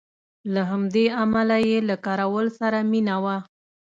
له همدې امله یې له کراول سره مینه وه.